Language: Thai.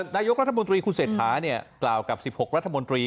นายกรัฐมนตรีคุณเศรษฐากล่าวกับ๑๖รัฐมนตรี